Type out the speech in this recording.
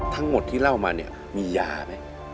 ทั้งหมดที่เล่ามาเนี่ยมียาไหม